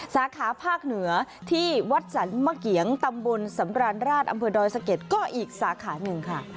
สาขาภาคเหนือที่วัดสรรมะเกียงตำบลสำราญราชอำเภอดอยสะเก็ดก็อีกสาขาหนึ่งค่ะ